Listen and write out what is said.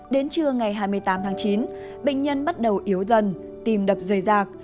đến trưa ngày hai mươi tám tháng chín bệnh nhân bắt đầu yếu dần tim đập rời rạc